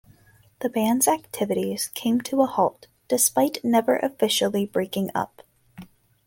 The band's activities came to a halt, despite never officially breaking up.